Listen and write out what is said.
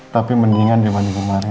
tapi mendingan dibanding kemarin